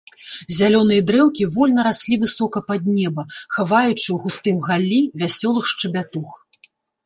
Зялёныя дрэўкі вольна раслі высока пад неба, хаваючы ў густым галлі вясёлых шчабятух.